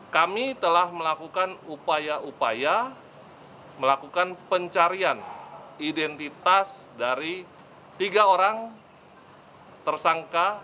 kami telah melakukan upaya upaya melakukan pencarian identitas dari tiga orang tersangka